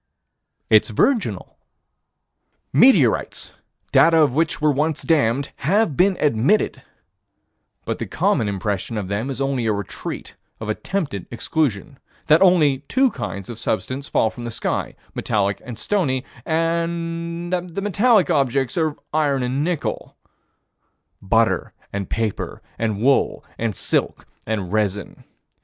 It's virginal. Meteorites, data of which were once of the damned, have been admitted, but the common impression of them is only a retreat of attempted exclusion: that only two kinds of substance fall from the sky: metallic and stony: that the metallic objects are of iron and nickel Butter and paper and wool and silk and resin.